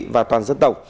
và toàn dân tộc